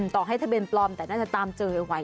ต่อให้ทะเบียนปลอมแต่น่าจะตามเจอเอาไว้